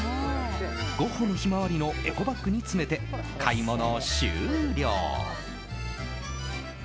ゴッホの「ひまわり」のエコバッグに詰めて買い物終了。